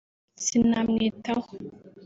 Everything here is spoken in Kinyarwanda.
” Sinamwitaho